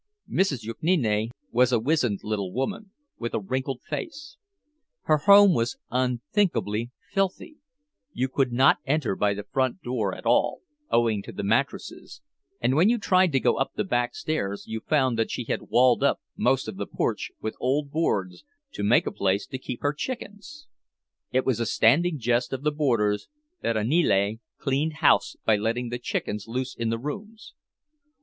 Mrs. Jukniene was a wizened up little woman, with a wrinkled face. Her home was unthinkably filthy; you could not enter by the front door at all, owing to the mattresses, and when you tried to go up the backstairs you found that she had walled up most of the porch with old boards to make a place to keep her chickens. It was a standing jest of the boarders that Aniele cleaned house by letting the chickens loose in the rooms.